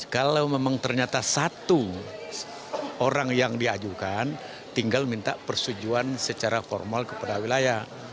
kalau memang ternyata satu orang yang diajukan tinggal minta persetujuan secara formal kepada wilayah